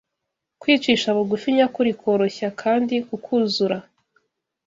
Kwicisha bugufi nyakuri koroshya kandi kukuzura